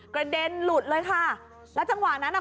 กระเด็นหลุดเลยค่ะแล้วจังหวะนั้นอ่ะ